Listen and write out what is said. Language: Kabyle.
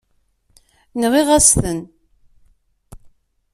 Nɣiɣ-as-ten.